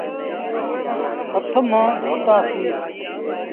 هٿ منهن دوتآ سيٚݩ۔